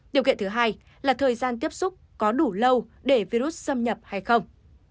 điều kiện thứ hai là thời gian tiếp xúc có đủ lâu để virus xâm nhập hay không